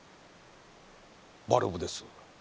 バルブです。